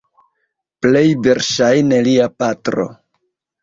Plej verŝajne lia patro.